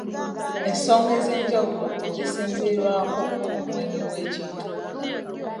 Ensonga ez'enjawulo zisinziirako omuwendo gw'ekintu.